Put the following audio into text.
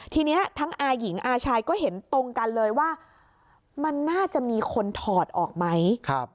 ทีนี้ทั้งอาหญิงอาชายก็เห็นตรงกันเลยว่ามันน่าจะมีคนถอดออกไหม